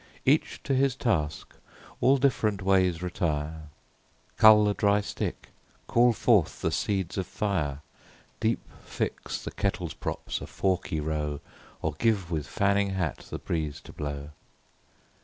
Each to his task; all different ways retire: Cull the dry stick; call forth the seeds of fire; Deep fix the kettle's props, a forky row, Or give with fanning hat the breeze to blow.